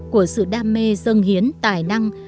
của sự đam mê dâng hiến tài năng